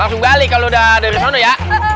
langsung balik kalau udah dari sana ya